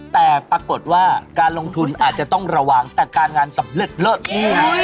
แต่ปรากฏว่าการลงทุนอาจจะต้องระวังแต่การงานสำเร็จเลิศ